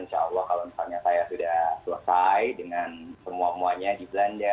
insya allah kalau misalnya saya sudah selesai dengan semuanya di belanda